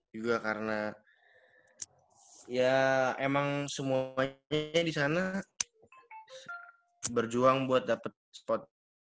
juga karena ya emang semuanya disana berjuang buat dapet spot